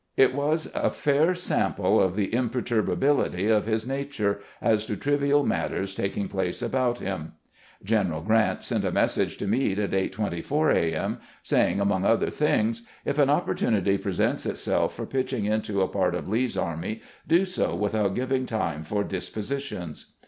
It was a fair sample of the imperturbability of his nature as to trivial matters tak ing place about him. Q eneral Grant sent a message to Meade at 8 : 24 A. m., saying, among other things, " If an opportunity presents itself for pitching into a part of Lee's army, do so without giving time for dispositions."